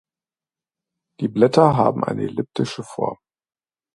Die Blätter haben eine elliptische Form.